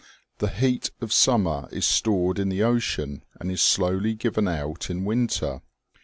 The heat of summer is stored in the ocean and is slowly given out in winter.